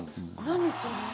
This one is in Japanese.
何それ。